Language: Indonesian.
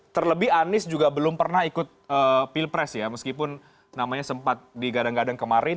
terlebih anies juga belum pernah ikut pilpres ya meskipun namanya sempat digadang gadang kemarin